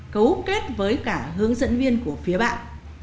cấu kết với cả hướng dẫn viên của phía bạn